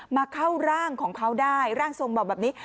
มาเข้าร่างของเขาได้ร่างทรงบอกแบบนี้